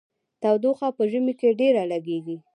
تودوخه په ژمي کې ډیره لګیږي.